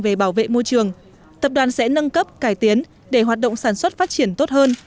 về bảo vệ môi trường tập đoàn sẽ nâng cấp cải tiến để hoạt động sản xuất phát triển tốt hơn